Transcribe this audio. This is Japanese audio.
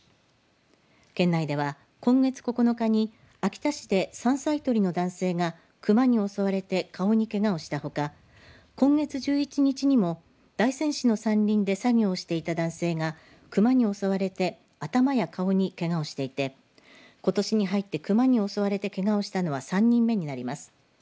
県内では今月９日に秋田市で山菜採りの男性が熊に襲われて顔にけがをしたほか今月１１日にも大仙市の山林で作業をしていた男性が熊に襲われて頭や顔にけがをしていてことしに入って熊に襲われてけがをしたのは３人目になります。